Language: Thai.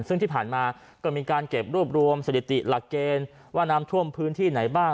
ซึ่งที่ผ่านมาก็มีการเก็บรวบรวมสถิติหลักเกณฑ์ว่าน้ำท่วมพื้นที่ไหนบ้าง